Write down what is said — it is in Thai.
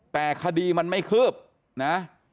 แต่คดีมันไม่คืบนะ